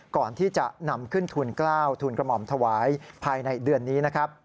ก่อนที่จะนำขึ้นทุนกล้าวทูลกระหม่อมถวายภายในเดือนนี้นะครับ